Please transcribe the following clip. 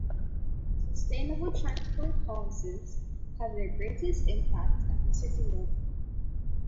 Sustainable transport policies have their greatest impact at the city level.